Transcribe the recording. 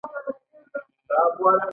دا پیسې د توکو د لېږد رالېږد لپاره ضروري دي